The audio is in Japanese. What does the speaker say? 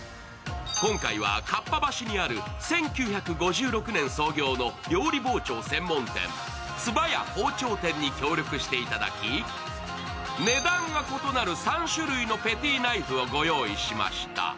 今回は、かっぱ橋にある１９５６年創業の料理包丁専門店、つば屋包丁店に協力していただき、値段が異なる３種類のペティナイフを御用意しました。